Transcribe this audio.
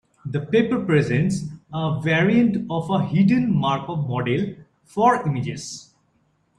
The paper presents a variant of a hidden Markov model for images.